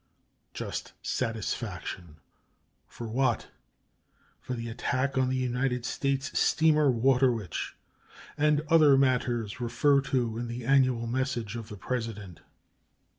"Just satisfaction" for what? For "the attack on the United States steamer Water Witch" and "other matters referred to in the annual message of the President."